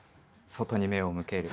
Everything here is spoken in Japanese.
外に目を向ける。